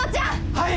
はい！